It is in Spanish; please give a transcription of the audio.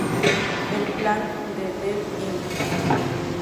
El plan de Dell Inc.